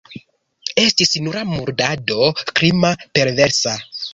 Estis nura murdado, krima, perversa.